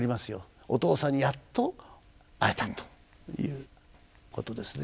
お父さんにやっと会えたということですね。